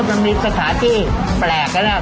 มันมีสถานที่แปลกนะเนี่ย